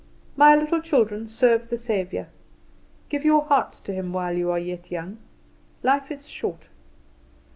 "My little children, serve the Saviour; give your hearts to Him while you are yet young. Life is short.